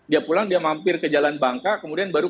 dia pulang dia mampir ke jalan bangka kemudian baru